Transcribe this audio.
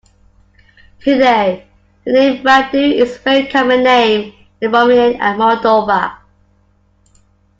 Today, the name Radu is a very common name in Romania and Moldova.